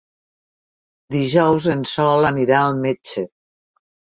Dijous en Sol anirà al metge.